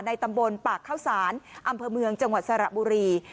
ตำบลปากเข้าสารอำเภอเมืองจังหวัดสระบุรี